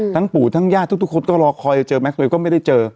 ทั้งปู่ทั้งญาติทุกคนก็รอคอยเจอแม็กซ์ตัวเองก็ไม่ได้เจอ